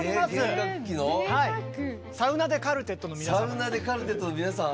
サウナｄｅカルテットのみなさん？